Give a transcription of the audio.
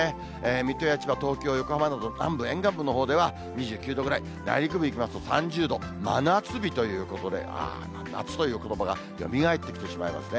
水戸や千葉、東京、横浜など、南部沿岸部のほうでは２９度ぐらい、内陸部に行きますと３０度、真夏日ということで、夏ということばがよみがえってきてしまいますね。